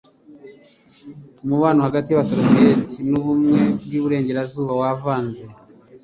umubano hagati y'abasoviyeti n'ubumwe bw'iburengerazuba wavanze